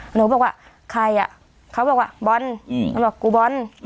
หนูบอกว่าใครอ่ะเขาบอกว่าบอลเขาบอกกูบอล